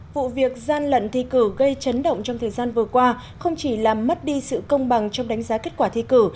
vụ việc gian lận thi cử gây chấn động trong thời gian vừa qua không chỉ làm mất đi sự công bằng trong đánh giá kết quả thi cử